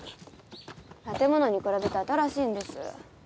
建物に比べて新しいんです。